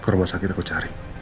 rumah sakit aku cari